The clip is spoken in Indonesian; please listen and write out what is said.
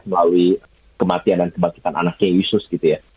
melalui kematian dan kematian anaknya yusuf gitu ya